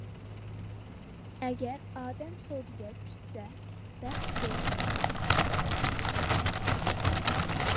ئەگەر ئادەم سودىگەر چۈشىسە، بەخت-دۆلەت تاپار.